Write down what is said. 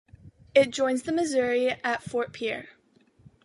It joins the Missouri at Fort Pierre.